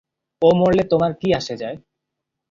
ও মরলে তোমার কী আসে-যায়?